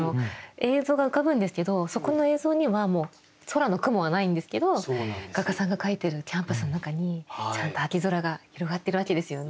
映像が浮かぶんですけどそこの映像にはもう空の雲はないんですけど画家さんが描いてるキャンバスの中にちゃんと秋空が広がってるわけですよね。